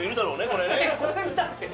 これ見たくて？